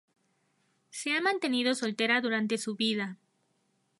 Se ha mantenido soltera durante su vida.